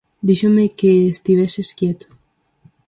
Díxome que estiveses quieto...